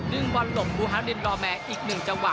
ดึงวันหลบภูฮานบินรอแมนอีกหนึ่งจังหวะ